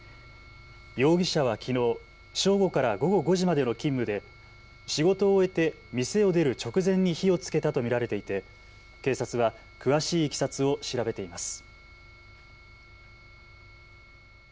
容疑者はきのう正午から午後５時までの勤務で仕事を終えて店を出る直前に火をつけたと見られていて警察は詳しいいきさつを調べています。